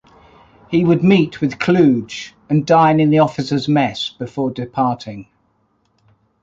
He would meet with Kluge, and dine in the officers' mess before departing.